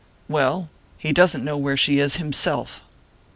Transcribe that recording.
"Well he doesn't know where she is himself."